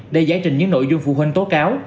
để giải trình những nội dung phụ huynh tố cáo